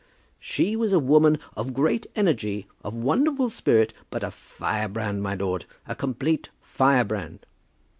"She was a woman of great energy, of wonderful spirit, but a firebrand, my lord, a complete firebrand!"